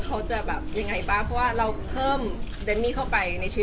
ก็เข้าใจสำคัญน้อยบี